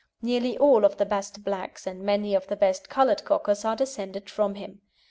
Nearly all of the best blacks, and many of the best coloured Cockers, are descended from him.